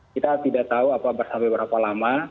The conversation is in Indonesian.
kita tidak tahu apa sampai berapa lama